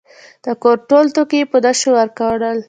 د کور ټول توکي یې په نشو ورکړل.